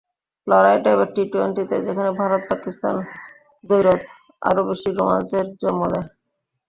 লড়াইটা এবার টি-টোয়েন্টিতে, যেখানে ভারত-পাকিস্তান দ্বৈরথ আরও বেশি রোমাঞ্চের জন্ম দেয়।